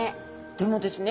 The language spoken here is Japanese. でもですね